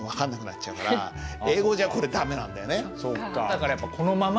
英語じゃこれ駄目なんだよね。